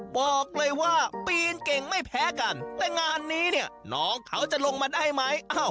บอกเลยว่าปีนเก่งไม่แพ้กันแต่งานนี้เนี่ยน้องเขาจะลงมาได้ไหม